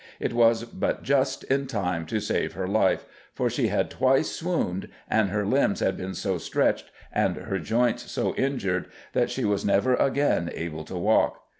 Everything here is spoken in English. It was but just in time to save her life, for she had twice swooned, and her limbs had been so stretched and her joints so injured, that she was never again able to walk....